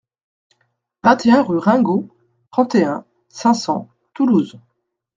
vingt et un rue Ringaud, trente et un, cinq cents, Toulouse